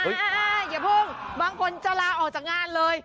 อย่าเพิ่งบางคนจะลาออกจากงานเลย